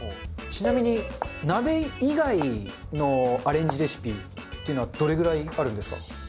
ちなみに鍋以外のアレンジレシピっていうのはどれぐらいあるんですか？